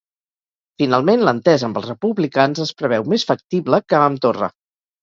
Finalment, l'entesa amb els republicans es preveu més factible que amb Torra.